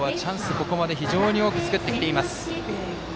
ここまで非常に多く作ってきています。